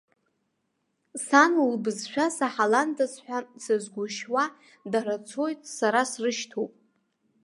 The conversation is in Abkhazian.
Сан лыбызшәа саҳаландаз ҳәа сазыгәышьуа, дара цоит, сара срышьҭоуп.